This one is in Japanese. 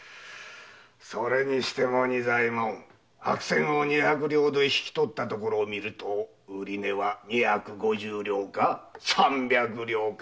それにしても白扇を二百両で引き取ったところをみると売り値は二百五十両か三百両か？